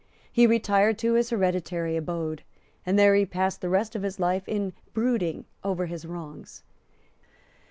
He retired to his hereditary abode; and there he passed the rest of his life in brooding over his wrongs.